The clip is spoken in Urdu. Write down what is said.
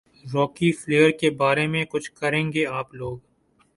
راکی فلیر کے بارے میں کچھ کریں گے آپ لوگ